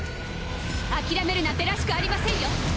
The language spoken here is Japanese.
諦めるなんてらしくありませんよ。